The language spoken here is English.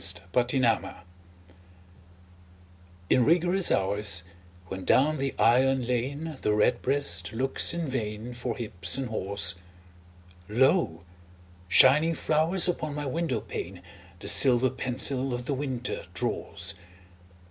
XVII—WINTER In rigorous hours, when down the iron lane The redbreast looks in vain For hips and haws, Lo, shining flowers upon my window pane The silver pencil of the winter draws.